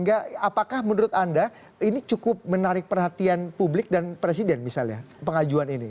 apakah menurut anda ini cukup menarik perhatian publik dan presiden misalnya pengajuan ini